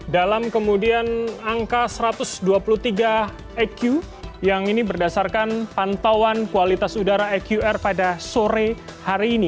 dalam kemudian angka satu ratus dua puluh tiga eq yang ini berdasarkan pantauan kualitas udara eqr pada sore hari ini